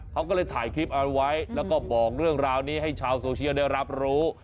เขาก็เลยถ่ายคลิปเอาไว้แล้วก็บอกเรื่องราวนี้ให้ชาวโซเชียลได้รับรู้